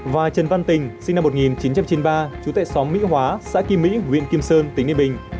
và trần văn tình sinh năm một nghìn chín trăm chín mươi ba chú tệ xóm mỹ hóa xã kim mỹ huyện kim sơn tỉnh yên bình